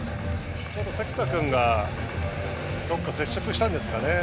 ちょうど関田君が接触したんですかね。